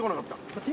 こっち？